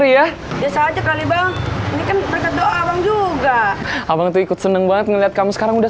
ria biasa aja kali bang ini kan berdoa juga abang itu ikut seneng banget ngelihat kamu sekarang udah